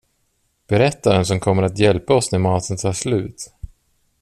Berätta vem som kommer att hjälpa oss när maten tar slut.